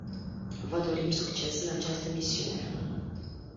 Vă dorim succes în această misiune.